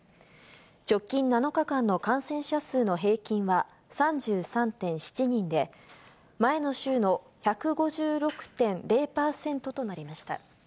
直近７日間の感染者数の平均は３３．７人で、前の週の１５６．０％となりました。